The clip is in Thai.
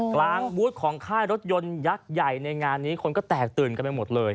กลางบูธของค่ายรถยนต์ยักษ์ใหญ่ในงานนี้คนก็แตกตื่นกันไปหมดเลย